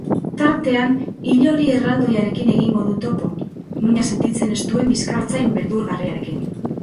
Tartean ilehori erraldoiarekin egingo du topo, mina sentitzen ez duen bizkartzain beldurgarriarekin.